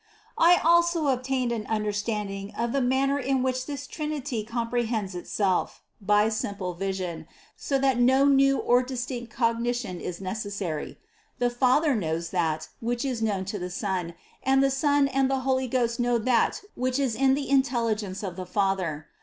28. I also obtained an understanding of the manner in which this Trinity comprehends Itself by simple vision, so that no new or distinct cognition is necessary : the Father knows that, which is known to the Son, and the Son and the Holy Ghost know that which is in the in telligence of the Father.